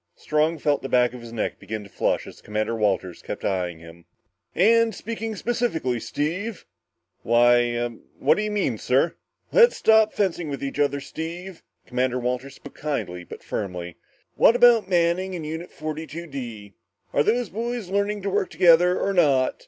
Strong felt the back of his neck begin to flush as Walters kept eyeing him. "And speaking specifically, Steve?" "Why ah what do you mean, sir?" "Let's stop fencing with each other, Steve." Walters spoke kindly but firmly. "What about Manning and Unit 42 D? Are those boys learning to work together or not?